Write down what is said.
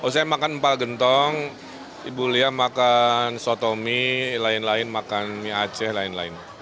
saya makan empal gentong ibu lia makan soto mie lain lain makan mie aceh lain lain